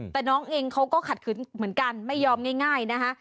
แต่น้องเองเขาก็ขัดขืนเหมือนกันไม่ยอมง่ายนะคะ